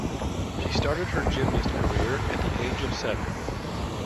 She started her gymnast career at the age of seven.